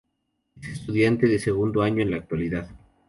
Es estudiante de segundo año en la actualidad.